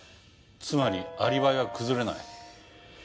つまりアリバイは崩れない？